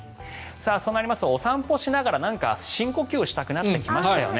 そうなるとお散歩しながら深呼吸をしたくなってきましたよね。